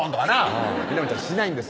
南ちゃんしないんです